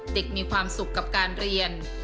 มีความสุขกับการเรียน